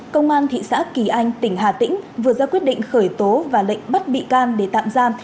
công an thị xã kỳ anh tỉnh hà tĩnh vừa ra quyết định khởi tố và lệnh bắt bị can để tạm giam